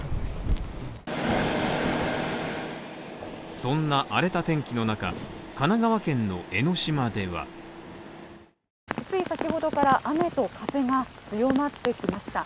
そんな荒れた天気の中、神奈川県の江の島ではつい先ほどから雨と風が強まってきました